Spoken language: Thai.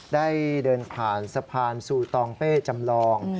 ได้เดินผ่านสะพานซูตองเป้จำลอง